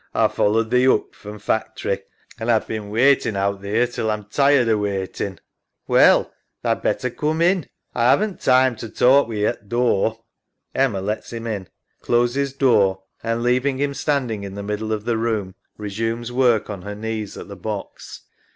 A followed thee oop from factory and A've bin waitin' out theer till A'm tired o' waitin'. EMMA. Well, tha'd better coom in. A 'aven't time to talk wi' thee at door. [Emma lets him in, closes door, and, leaving him standing in the middle oj the room, resumes work on her knees at the box.